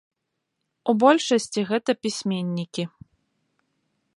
У большасці гэта пісьменнікі.